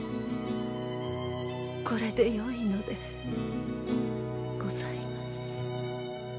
これでよいのでございます。